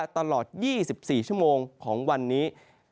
ตลอด๒๔ชั่วโมงของวันนี้